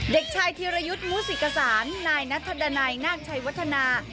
เด็กชายธีรยุทธ์มุสิกษานนายนัทดันัยนาคชัยวัฒนา